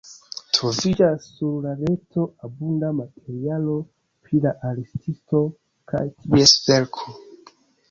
Troviĝas sur la reto abunda materialo pri la artisto kaj ties verko.